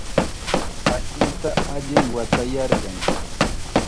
Ashnuta allim watayarqan.